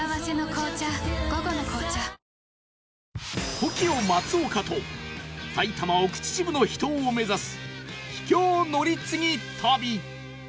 ＴＯＫＩＯ 松岡と埼玉奥秩父の秘湯を目指す秘境乗り継ぎ旅